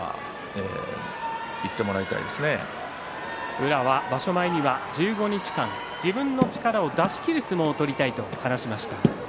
宇良は１５日間自分の力を出し切れる相撲を取りたいと話していました。